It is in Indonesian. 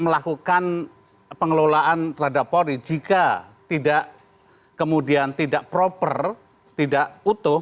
melakukan pengelolaan terhadap polri jika tidak kemudian tidak proper tidak utuh